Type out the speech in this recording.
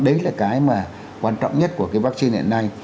đấy là cái mà quan trọng nhất của cái vaccine hiện nay